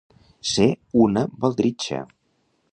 Ser una baldritxa.